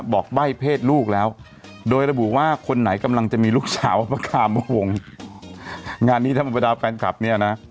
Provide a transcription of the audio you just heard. ใบ้เพศลูกแล้วโดยระบุว่าคนไหนกำลังจะมีลูกสาวมะคามวงงานนี้ธรรมดาแฟนคลับเนี่ยนะ